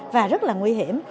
và rất là nguy hiểm